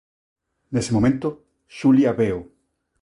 Nese momento, Xulia veo.